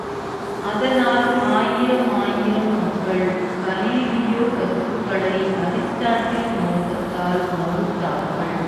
அதனால் ஆயிரமாயிரம் மக்கள் கலீலியோ கருத்துக்களை அரிஸ்டாட்டில் மோகத்தால் மறுத்தார்கள்!